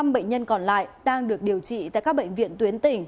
năm mươi năm bệnh nhân còn lại đang được điều trị tại các bệnh viện tuyến tỉnh